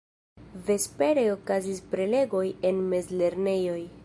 Vespere okazis prelegoj en mezlernejoj.